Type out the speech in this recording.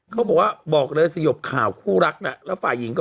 เขาบอกบอกเลยสยบข่าวคู่รักน่ะแล้วฝ่ายหญิงก็